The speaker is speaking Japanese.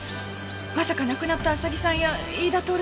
まさか亡くなった浅木さんや飯田透さんは。